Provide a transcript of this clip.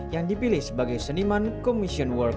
yang dipilih sebagai seniman commission world